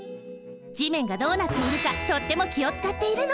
じめんがどうなっているかとってもきをつかっているの。